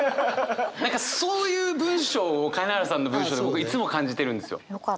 何かそういう文章を金原さんの文章で僕いつも感じてるんですよ。